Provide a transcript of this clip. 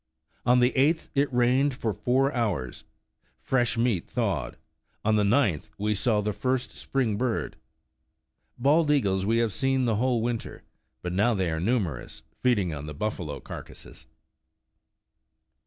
"On the eighth it rained for four hours; fresh meat thawed. On the ninth we saw the first spring bird Bald eagles we have seen the whole winter, but now they are numerous, feeding on the buffalo carcasses."